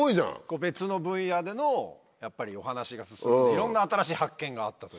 別の分野でのお話が進むといろんな新しい発見があったという。